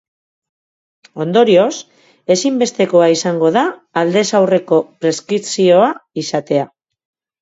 Ondorioz, ezinbestekoa izango da aldez aurreko preskripzioa izatea.